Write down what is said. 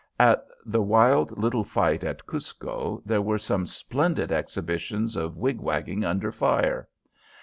At the wild little fight at Cusco there were some splendid exhibitions of wig wagging under fire.